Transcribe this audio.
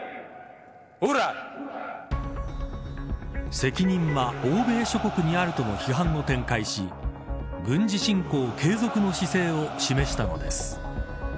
責任は欧米諸国にあるとの批判を展開し軍事侵攻継続の姿勢を示したのです。